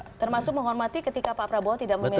termasuk menghormati ketika pak prabowo tidak memilih pak salim